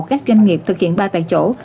các doanh nghiệp thực hiện ba tại chỗ